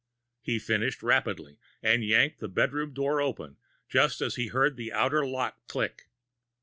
He finished rapidly, and yanked the bedroom door open, just as he heard the outer lock click.